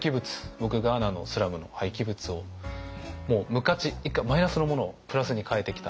僕ガーナのスラムの廃棄物をもう無価値以下マイナスのものをプラスに変えてきた。